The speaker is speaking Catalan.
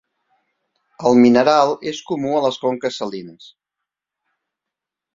El mineral és comú a les conques salines.